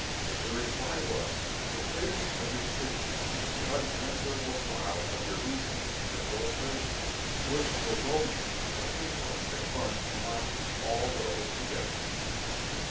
The reply was, "The clearness of your statements, the unanswerable style of your reasoning and your illustrations, which were romance, and pathos, and fun, and logic, all welded together."